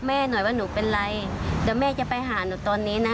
หน่อยว่าหนูเป็นไรเดี๋ยวแม่จะไปหาหนูตอนนี้นะ